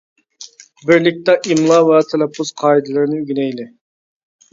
بىرلىكتە ئىملا ۋە تەلەپپۇز قائىدىلىرىنى ئۆگىنەيلى!